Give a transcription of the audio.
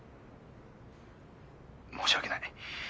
申し訳ない。